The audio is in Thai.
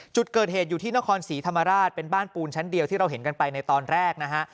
จุดเกิดเหตุอยู่ที่นครศรีธรรมราชเป็นบ้านปูนชั้นเดียวที่เราเห็นกันไปในตอนแรกนะฮะ